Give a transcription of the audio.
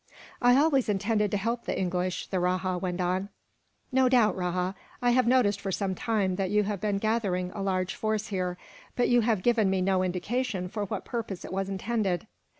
"I always intended to help the English," the rajah went on. "No doubt, Rajah. I have noticed, for some time, that you have been gathering a large force here; but you have given me no indication for what purpose it was intended."